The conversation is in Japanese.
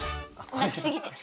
泣きすぎて。